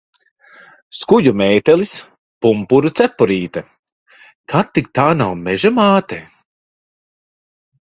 Skuju mētelis, pumpuru cepurīte. Kad tik tā nav Meža māte?